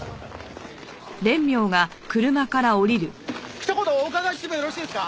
ひと言お伺いしてもよろしいですか？